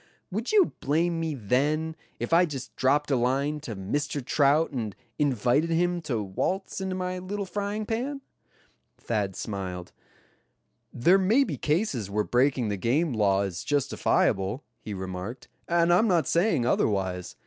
Would you blame me then, if I just dropped a line to Mr. Trout and invited him to waltz into my little frying pan?" Thad smiled. "There may be cases where breaking the game law is justifiable," he remarked, "and I'm not saying otherwise.